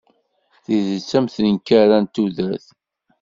Tidet am tenkerra n tudert.